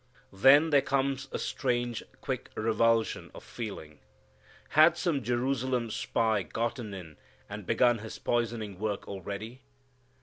Then there comes a strange, quick revulsion of feeling. Had some Jerusalem spy gotten in and begun his poisoning work already?